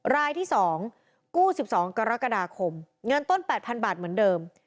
รายที่๒กู้๑๒กรกฎาคมเงินต้น๘๐๐๐บาทเหมือนเดิม